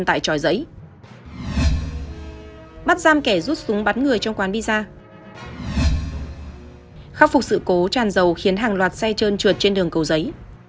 khắc phục sự cố tràn dầu khiến hàng loạt xe trơn trượt trên đường cầu giấy